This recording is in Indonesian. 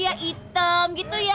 ya hitam gitu ya